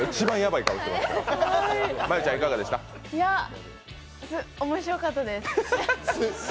いや面白かったです。